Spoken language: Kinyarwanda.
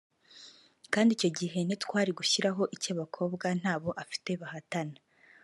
kandi icyo gihe ntitwari gushyiraho icy’abakobwa ntabo afite bahatana